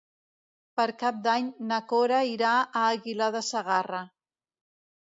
Per Cap d'Any na Cora irà a Aguilar de Segarra.